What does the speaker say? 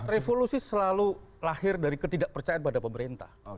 revolusi selalu lahir dari ketidakpercayaan pada pemerintah